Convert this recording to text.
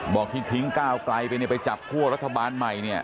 บอกที่ทิ้งก้าวไกลไปเนี่ยไปจับคั่วรัฐบาลใหม่เนี่ย